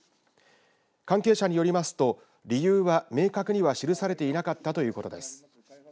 関係者によりますと理由は明確には記されていなかったということです。